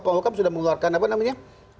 menko polkam sudah mengeluarkan apa namanya